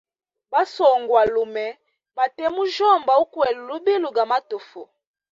Ba swongwalume bate mujyomba ukwela lubilo ga matufu.